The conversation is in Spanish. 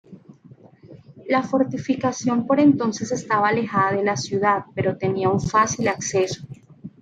La fortificación por entonces estaba alejada de la ciudad, pero tenía un fácil acceso.